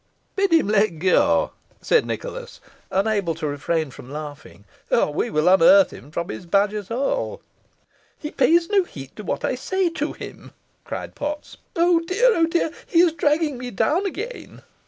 "Bid him let go," said Nicholas, unable to refrain from laughing, "or we will unearth him from his badger's hole." "He pays no heed to what I say to him," cried Potts. "Oh, dear! oh, dear! he is dragging me down again!"